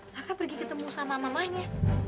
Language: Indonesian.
raka pergi ketemu sama mamahnya